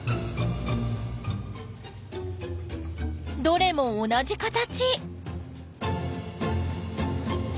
どれも同じ形！